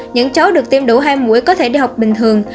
những cháu được tiêm đủ hai mũi có thể đi học bình thường